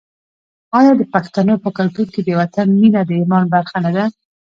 آیا د پښتنو په کلتور کې د وطن مینه د ایمان برخه نه ده؟